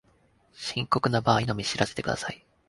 深刻な場合のみ知らせてください